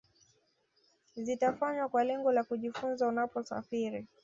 zitafanywa kwa lengo la kujifunza Unaposafiri